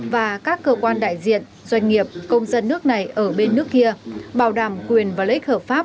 và các cơ quan đại diện doanh nghiệp công dân nước này ở bên nước kia bảo đảm quyền và lợi ích hợp pháp